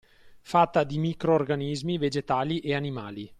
Fatta di microrganismi vegetali e animali